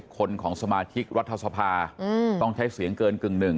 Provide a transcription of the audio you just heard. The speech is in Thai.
คนของสมาชิกรัฐสภาต้องใช้เสียงเกินกึ่งหนึ่ง